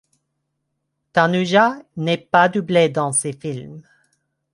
Tanuja n’est pas doublée dans ces films.